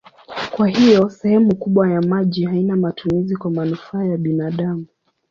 Kwa hiyo sehemu kubwa ya maji haina matumizi kwa manufaa ya binadamu.